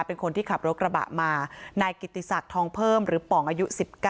เป็นคนที่ขับรถกระบะมานายกิติศักดิ์ทองเพิ่มหรือป่องอายุ๑๙